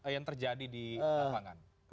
yang terjadi di lapangan